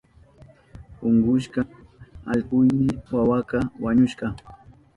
Unkushka allkuyni wawaka wañushka.